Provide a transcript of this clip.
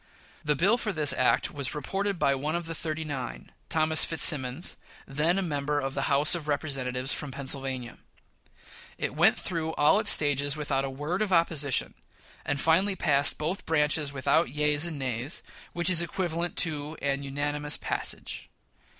The bill for this act was reported by one of the "thirty nine," Thomas Fitzsimmons, then a member of the House of Representatives from Pennsylvania. It went through all its stages without a word of opposition, and finally passed both branches without yeas and nays, which is equivalent to a unanimous passage.